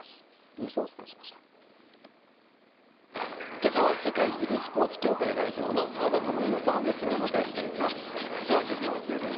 けさは世界ゆるスポーツ協会代表の澤田智洋さんをゲストにお迎えしています。